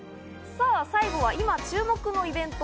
さぁ最後は今注目のイベント